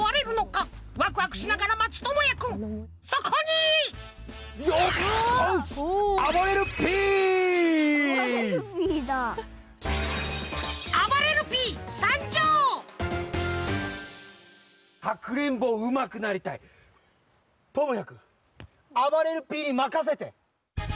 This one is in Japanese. かくれんぼうまくなりたい？ともやくんあばれるＰにまかせて！